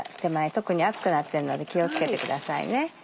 特に熱くなってるので気を付けてくださいね。